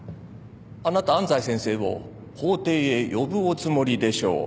あなた安斎先生を法廷へ呼ぶおつもりでしょう。